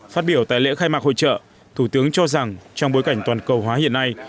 phát biểu tại lễ khai mạc hội trợ thủ tướng cho rằng trong bối cảnh toàn cầu hóa hiện nay